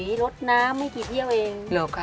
ลดน้ำให้ที่เที่ยวเอง